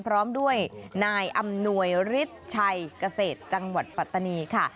พร้อมด้วยนายอำนวยฤทธิ์ชัยเกษตรจังหวัดปัตตานีค่ะ